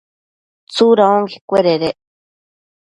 ¿tsuda onquecuededec?